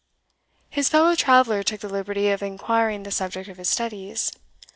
His fellow traveller took the liberty of inquiring the subject of his studies.